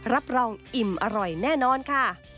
รับรองอิ่มอร่อยแน่นอนค่ะ